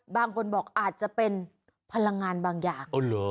บางคนบอกอาจจะเป็นพลังงานบางอย่าง